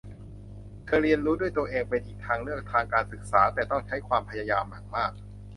การเรียนรู้ด้วยตัวเองเป็นอีกทางเลือกทางการศึกษาแต่ต้องใช้ความพยายามอย่างมาก